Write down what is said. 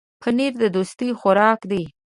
پنېر د دوستۍ خوراک دی.